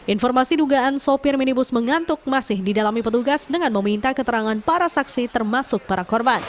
informasi dugaan sopir minibus mengantuk masih didalami petugas dengan meminta keterangan para saksi termasuk para korban